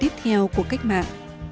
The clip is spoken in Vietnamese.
tiếp theo của cách mạng